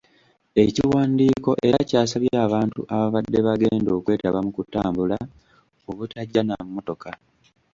Ekiwandiiko era kyasabye abantu ababadde bagenda okwetaba mu kutambula, obutajja na mmotoka.